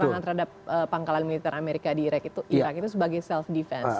pangan terhadap pangkalan militer amerika di irak itu sebagai self defense